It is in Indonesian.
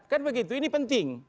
kan begitu ini penting